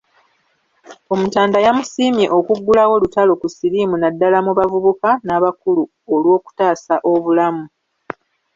Omutanda yamusiimye okuggulawo olutalo ku siriimu naddala mu bavubuka n’abakulu olwokutaasa obulamu.